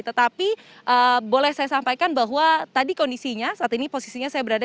tetapi boleh saya sampaikan bahwa tadi kondisinya saat ini posisinya saya berada